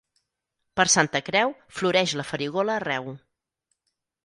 Per Santa Creu floreix la farigola arreu.